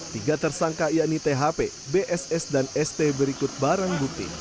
tiga tersangka yakni thp bss dan st berikut barang bukti